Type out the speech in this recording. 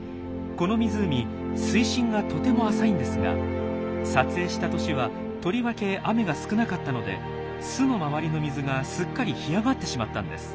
この湖水深がとても浅いんですが撮影した年はとりわけ雨が少なかったので巣の周りの水がすっかり干上がってしまったんです。